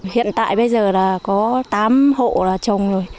hiện tại bây giờ là có tám hộ là trồng rồi